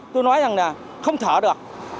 tôi nói rằng là không thở được